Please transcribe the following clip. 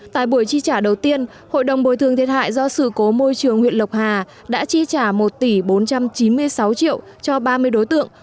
tại buổi chi trả đầu tiên hội đồng bồi thường thiệt hại do sự cố môi trường huyện lộc hà đã chi trả một tỷ bốn trăm chín mươi sáu triệu cho ba mươi đối tượng